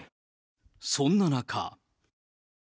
そんな中。